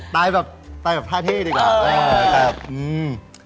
ตายแบบท่าที่ดีกว่าแต่อืม